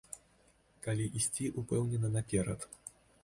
Калі ісці ўпэўнена наперад.